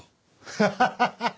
ハハハハハ！